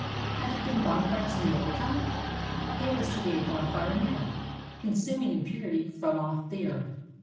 Had there been bonfires in the old time? There was to be a bonfire now, consuming impurity from off the earth.